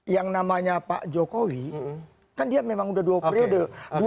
yang namanya pak jokowi kan dia memang udah dua periode